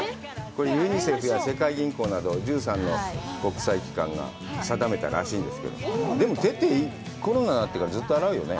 これユニセフや世界銀行など１３の国際機関が定めたらしいんだけど、でも、手って、コロナになって、ずっと洗うよね。